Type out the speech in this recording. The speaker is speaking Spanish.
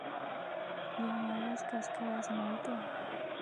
Llamadas cascadas Moulton.